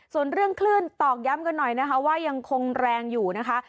ส่วนเรื่องคลื่นตอกย้ำกันหน่อยนะคะว่ายังคงแรงอยู่นะคะ